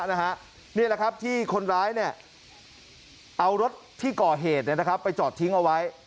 นี่แหละครับที่คนร้ายเอารถที่ก่อเหตุไปจอดทิ้งเอาไว้